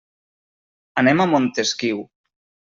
Anem a Montesquiu.